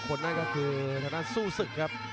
คนนะครับคือทางต้านซู้สึกครับ